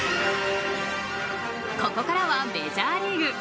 ここからはメジャーリーグ。